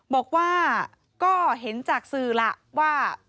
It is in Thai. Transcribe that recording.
บอกว่าก็เห็นจากสื่อล่ะว่า